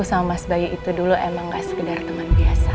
sama mas bayu itu dulu emang gak sekedar teman biasa